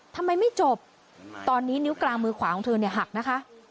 ทำไมไม่จบตอนนี้นิ้วกลางมือขวาของเธอเนี่ยหักนะคะ